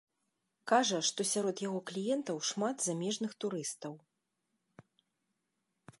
Кажа, што сярод яго кліентаў шмат замежных турыстаў.